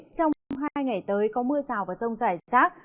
trong hai ngày tới có mưa rào và rông rải rác